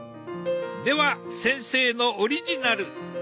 では先生のオリジナル。